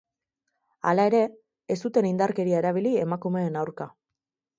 Hala ere, ez zuten indarkeria erabili emakumeen aurka.